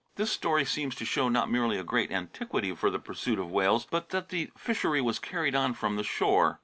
This story seems to show not merely a great antiquity for the pursuit of whales, but that the fishery was carried on from the shore.